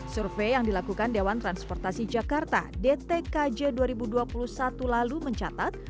survei yang dilakukan dewan transportasi jakarta dtkj dua ribu dua puluh satu lalu mencatat